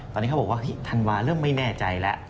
ตอนนี้เขาบอกว่าธันวาเริ่มไม่แน่ใจแล้ว